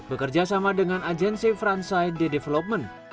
bekerja sama dengan agensi fransai the development